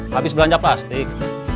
habis belanja plastik